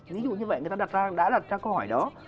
ví dụ như vậy người ta đặt ra đã đặt ra câu hỏi đó